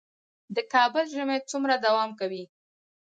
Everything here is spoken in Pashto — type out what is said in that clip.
د کابل ژمی څومره دوام کوي؟